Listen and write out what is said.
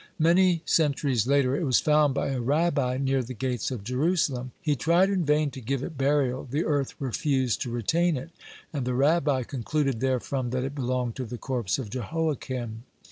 Many centuries later it was found by a Rabbi near the gates of Jerusalem. He tried in vain to give it burial; the earth refused to retain it, and the Rabbi concluded therefrom that it belonged to the corpse of Jehoiakim.